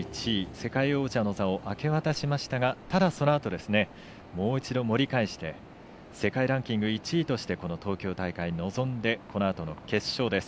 世界王者の座を明け渡しましたが、ただそのあともう一度、盛り返して世界ランキング１位として東京大会に臨んで、このあと決勝です。